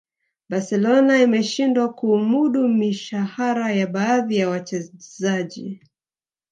barcelona imeshindwa kuumudu mishahara ya baadhi ya wachezaji